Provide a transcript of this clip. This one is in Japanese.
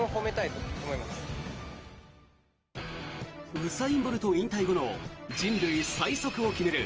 ウサイン・ボルト引退後の人類最速を決める